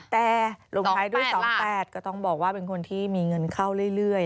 แต่ลงท้ายด้วย๒๘ก็ต้องบอกว่าเป็นคนที่มีเงินเข้าเรื่อย